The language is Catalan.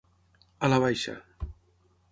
A la baixa.